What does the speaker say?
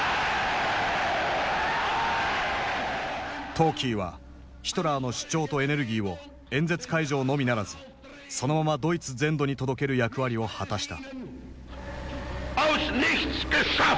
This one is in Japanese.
トーキーはヒトラーの主張とエネルギーを演説会場のみならずそのままドイツ全土に届ける役割を果たした。